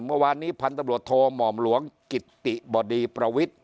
เมื่อวานนี้พันธบรวจโทหม่อมหลวงกิตติบดีประวิทธิ